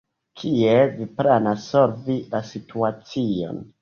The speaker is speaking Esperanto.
Kiel vi planas solvi la situacion?